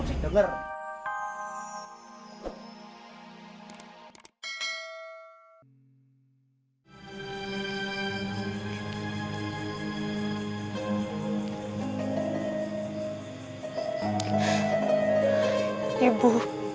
ibu harus bertahanmu